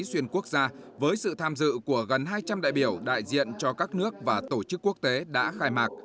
xuyên quốc gia với sự tham dự của gần hai trăm linh đại biểu đại diện cho các nước và tổ chức quốc tế đã khai mạc